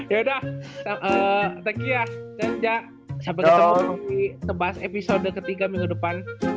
yaudah thank you ya dan ja sampai ketemu di tebas episode ketiga minggu depan